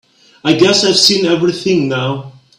I guess I've seen everything now.